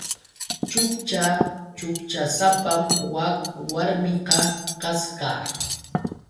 Chukcha chukchasapam wak warmiqa kasqa.